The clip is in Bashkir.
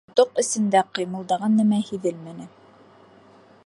Әммә тоҡ эсендә ҡыймылдаған нәмә һиҙелмәне.